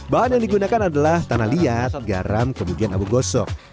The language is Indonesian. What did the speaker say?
bahan yang digunakan adalah tanah liat garam kemudian abu gosok